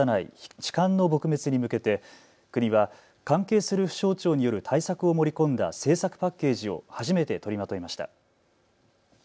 痴漢の撲滅に向けて、国は関係する府省庁による対策を盛り込んだ政策パッケージを初めて取りまとめました。